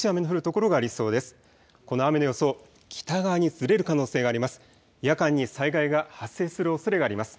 この雨の予想、北側にずれる可能性があります。